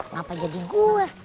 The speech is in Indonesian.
ngapa jadi gua